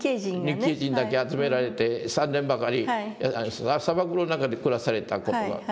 日系人だけ集められて３年ばかり砂漠の中で暮らされた事があって。